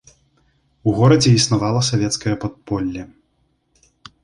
У горадзе існавала савецкае падполле.